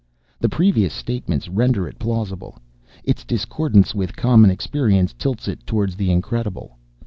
The previous statements render it plausible; its discordance with common experience tilts it towards the incredible.